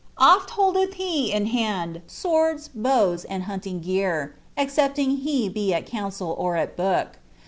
Oft holdedi he in hand swords, bows, and hunting gear, exer^ ing he be at council or at book.